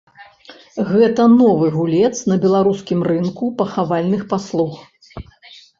Гэта новы гулец на беларускім рынку пахавальных паслуг.